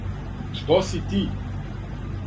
Што си ти?